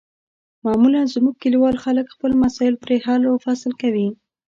معمولا زموږ کلیوال خلک خپل مسایل پرې حل و فصل کوي.